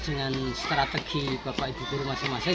dengan strategi bapak ibu guru masing masing